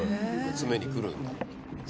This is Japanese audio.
集めに来るんだ。